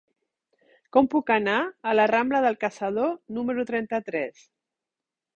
Com puc anar a la rambla del Caçador número trenta-tres?